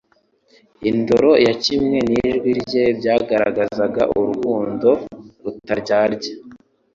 indoro ye kimwe n’ijwi rye byagaragazaga urukundo rutaryarya,